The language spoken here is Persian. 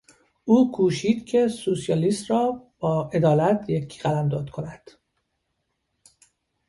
او کوشید که سوسیالیسم را با عدالت یکی قلمداد کند.